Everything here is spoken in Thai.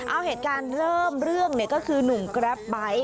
เอาเหตุการณ์เริ่มเรื่องเนี่ยก็คือหนุ่มแกรปไบท์